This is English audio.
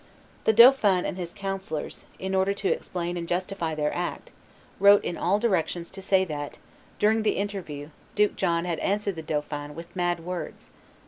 The dauphin and his councillors, in order to explain and justify their act, wrote in all directions to say that, during the interview, Duke John had answered the dauphin "with mad words